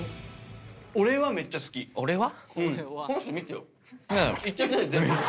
「俺は」？